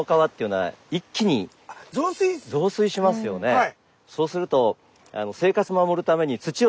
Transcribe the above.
はい。